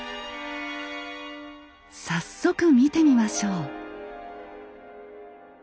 早速見てみましょう。